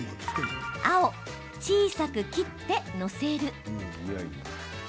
青・小さく切って載せる。